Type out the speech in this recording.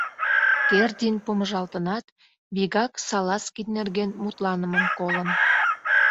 Кердин помыжалтынат, вигак Салазкин нерген мутланымым колын.